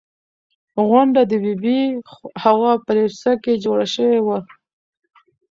غونډه د بي بي حوا په لېسه کې جوړه شوې وه.